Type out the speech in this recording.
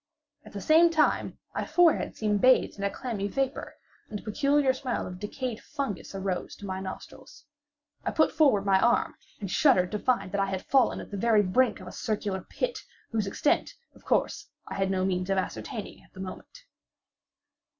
At the same time my forehead seemed bathed in a clammy vapor, and the peculiar smell of decayed fungus arose to my nostrils. I put forward my arm, and shuddered to find that I had fallen at the very brink of a circular pit, whose extent, of course, I had no means of ascertaining at the moment.